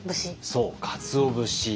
そうかつお節。